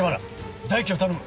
大樹を頼む。